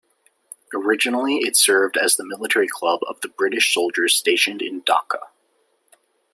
Originally it served as the military club of the British soldiers stationed in Dhaka.